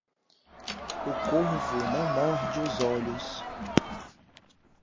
O corvo não morde os olhos.